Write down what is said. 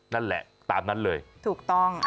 นั่นแหละตามนั้นเลยถูกต้อง